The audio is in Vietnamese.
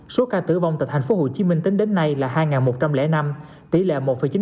số ca tử vong tại tp hcm tính đến nay là hai một trăm linh năm tỷ lệ một chín